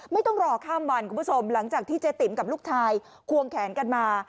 ไม่ต้องรอข้ามวันคุณผู้ชมหลังจากที่เจ๊ติ๋มกับลูกชายควงแขนกันมา